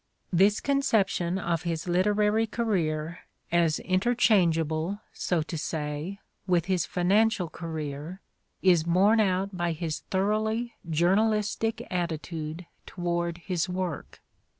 This conception of his literary career as interchange able, so to say, with his financial career is borne out by his thoroughly journalistic attitude toward his work.